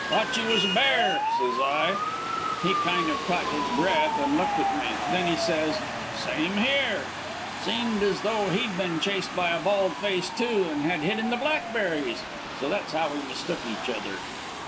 "'Thought you was a bear,' says I. "He kind of caught his breath and looked at me. Then he says, 'Same here.' "Seemed as though he'd been chased by a bald face, too, and had hid in the blackberries. So that's how we mistook each other.